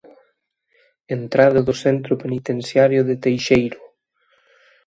Entrada do centro penitenciario de Teixeiro.